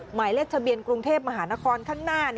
หมายเลขทะเบียนกรุงเทพมหานครข้างหน้า